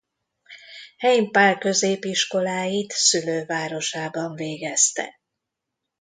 Heim Pál középiskoláit szülővárosában végezte.